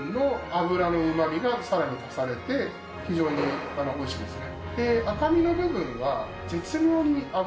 更に足されて非常においしいですね。